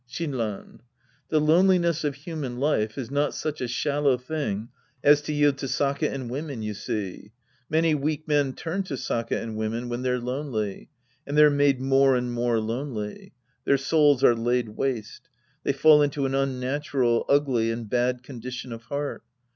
Shinran. The loneliness of human life is not such a shallow thing as to yield to sake and women, you see. Many weak men turn to sake and women when they're lonely. And they're made more and more lonely. Their souls are laid waste. They fall into an unnatural, ugly and bad condition of heart.